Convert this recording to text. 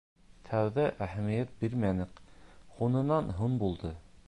Тәүҙә әһәмиәт бирмәнек, һуңынан һуң булды.